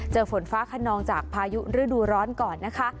ฝนฟ้าขนองจากพายุฤดูร้อนก่อนนะคะ